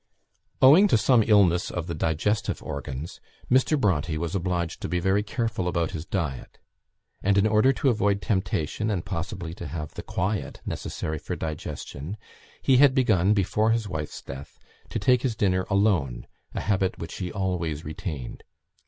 Owing to some illness of the digestive organs, Mr. Bronte was obliged to be very careful about his diet; and, in order to avoid temptation, and possibly to have the quiet necessary for digestion, he had begun, before his wife's death, to take his dinner alone a habit which he always retained.